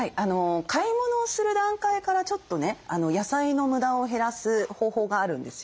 買い物をする段階からちょっとね野菜の無駄を減らす方法があるんですよ。